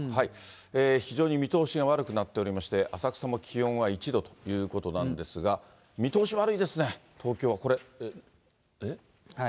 非常に見通しが悪くなっておりまして、浅草も気温は１度ということなんですが、見通し悪いですね、東京はこれ。